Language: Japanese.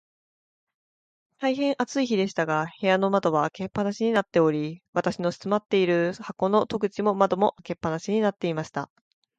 大へん暑い日でしたが、部屋の窓は開け放しになっており、私の住まっている箱の戸口も窓も、開け放しになっていました。